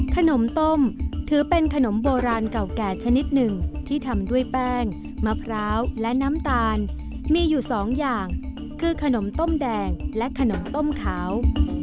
ขนมต้มถือเป็นขนมโบราณเก่าแก่ชนิดหนึ่งที่ทำด้วยแป้งมะพร้าวและน้ำตาลมีอยู่สองอย่างคือขนมต้มแดงและขนมต้มขาว